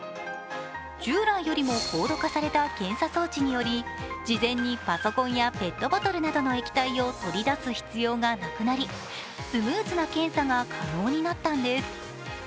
従来よりも高度化された検査装置により事前にパソコンやペットボトルなどの液体を取り出す必要がなくなりスムーズな検査が可能になったんです。